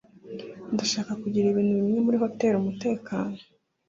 Ndashaka gushyira ibintu bimwe muri hoteri umutekano.